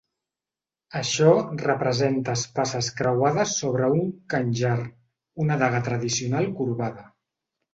Això representa espasses creuades sobre un "khanjar", una daga tradicional corbada.